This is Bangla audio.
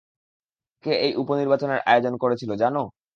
কে এই উপ-নির্বাচনের আয়োজন করেছিল জানো?